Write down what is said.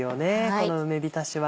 この梅びたしは。